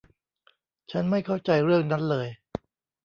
ฉันไม่เข้าใจเรื่องนั้นเลย